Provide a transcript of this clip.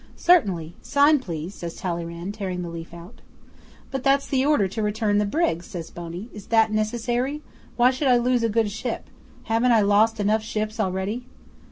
'"Certainly. Sign, please," says Talleyrand, tearing the leaf out. '"But that's the order to return the brig," says Boney. "Is that necessary? Why should I lose a good ship? Haven't I lost enough ships already?"